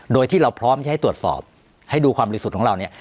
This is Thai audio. โดยที่เราพร้อมจะให้ตรวจสอบให้ดูความบริสุทธิ์ของเราเนี่ย